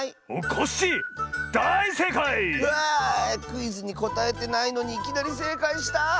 クイズにこたえてないのにいきなりせいかいした。